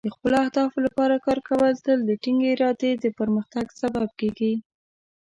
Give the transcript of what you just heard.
د خپلو اهدافو لپاره کار کول تل د ټینګې ارادې او پرمختګ سبب کیږي.